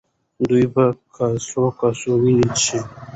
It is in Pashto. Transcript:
دوی په کاسو کاسو وینې څښي.